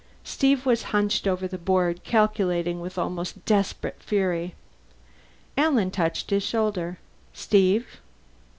Steve was hunched over the board, calculating with almost desperate fury. Alan touched his shoulder. "Steve?"